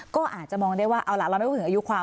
ก็อาจจะมองได้ว่าเอาล่ะเราไม่พูดถึงอายุความ